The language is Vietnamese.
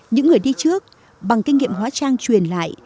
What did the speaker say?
những người đi trước bằng kinh nghiệm hóa trang truyền lại